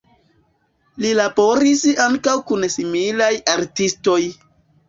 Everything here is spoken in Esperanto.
Li laboris ankaŭ kun similaj artistoj.